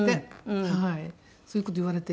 そういう事言われて。